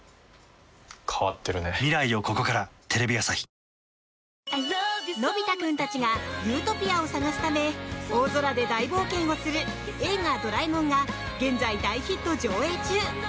ウクライナ軍は精鋭部隊を増強するなどのび太君たちがユートピアを探すため大空で大冒険をする「映画ドラえもん」が現在、大ヒット上映中。